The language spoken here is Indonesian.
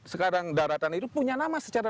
sekarang daratan itu punya nama secara